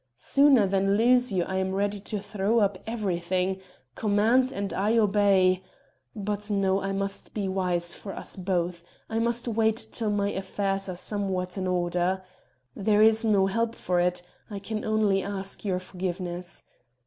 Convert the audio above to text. Sooner than lose you I am ready to throw up everything. Command and I obey ... but no, I must be wise for us both; I must wait till my affairs are somewhat in order. There is no help for it I can only ask your forgiveness.